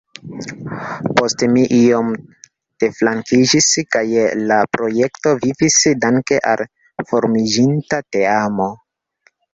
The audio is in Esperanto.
Poste mi iom deflankiĝis, kaj la projekto vivis danke al formiĝinta teamo.